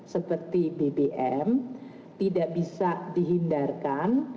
seperti bbm tidak bisa dihindarkan